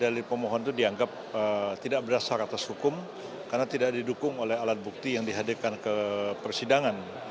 dalil pemohon itu dianggap tidak berdasar atas hukum karena tidak didukung oleh alat bukti yang dihadirkan ke persidangan